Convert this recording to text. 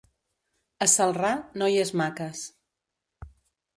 A Celrà, noies maques.